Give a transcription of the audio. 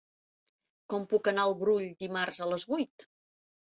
Com puc anar al Brull dimarts a les vuit?